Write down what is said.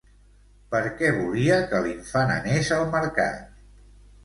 Per què volia que l'infant anés al mercat?